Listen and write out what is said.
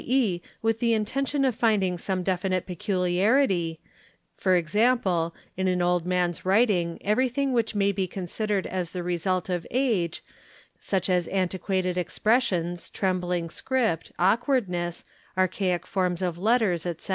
e., with the intention of finding some definite peculiarity, ¢.g., in an old man's writing everything which may be con sidered as the result of age, such as antiquated expressions, trembling script, awkwardness, archaic forms of letters, etc.